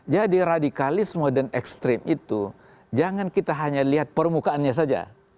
jadi radikalisme dan ekstrim itu jangan kita hanya lihat permukaannya saja